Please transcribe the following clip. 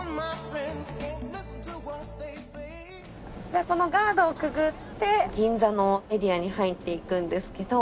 でこのガードをくぐって銀座のエリアに入っていくんですけど。